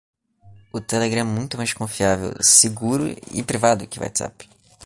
O Telegram é muito mais confiável, seguro e privado que o Whatsapp